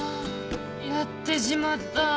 やってしまった。